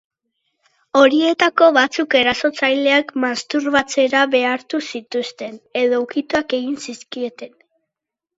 Horietako batzuk erasotzaileak masturbatzera behartu zituzten, edo ukituak egin zizkieten.